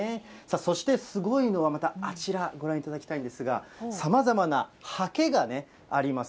そして、すごいのは、またあちら、ご覧いただきたいんですが、さまざまなはけがね、あります。